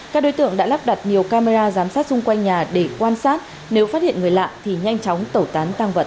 các đối tượng đã lắp đặt nhiều camera giám sát xung quanh nhà để quan sát nếu phát hiện người lạ thì nhanh chóng tẩu tán tăng vật